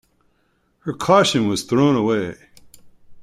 Her caution was thrown away.